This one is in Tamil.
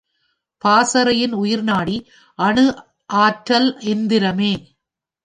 பாசறையின் உயிர்நாடி அணு அற்றல் எந்திரமே.